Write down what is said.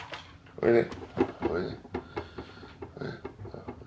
おいで。